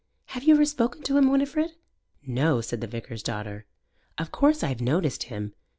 Have you ever spoken to him, Winifred?" "No," said the vicar's daughter. "Of course I've noticed him.